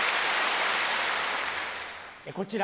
こちら